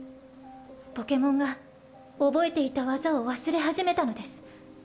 ポケモンが覚えていた技を忘れ始めたのです。